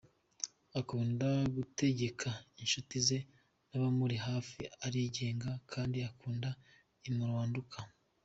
Akunda gutegeka incuti ze n’abamuri hafi, arigenga kandi akunda imoinduka.